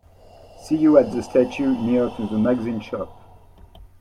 See you at the statue near to the magazine shop.